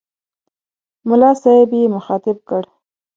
ملا صاحب یې مخاطب کړ.